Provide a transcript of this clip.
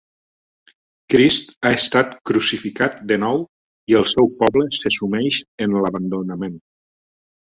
Crist ha estat crucificat de nou i el seu poble se sumeix en l'abandonament.